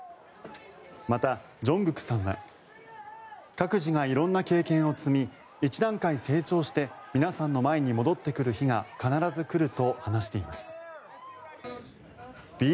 また、ＪＵＮＧＫＯＯＫさんは各自が色んな経験を積み一段階成長して皆さんの前に戻ってくる日が必ず来ると話しています。